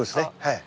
はい。